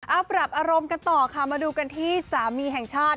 เอาปรับอารมณ์กันต่อค่ะมาดูกันที่สามีแห่งชาติ